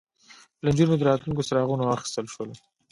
له نجونو د راتلونکي څراغونه واخیستل شول